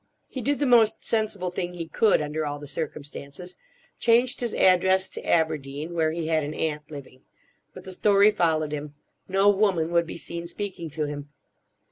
He did the most sensible thing he could, under all the circumstances; changed his address to Aberdeen, where he had an aunt living. But the story followed him. No woman would be seen speaking to him.